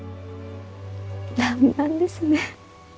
らんまんですね。